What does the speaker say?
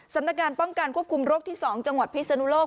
สำนักงานป้องกันควบคุมโรคที่๒จังหวัดพิศนุโลก